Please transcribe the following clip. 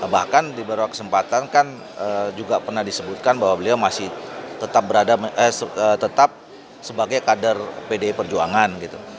bahkan di beberapa kesempatan kan juga pernah disebutkan bahwa beliau masih tetap sebagai kader pdi perjuangan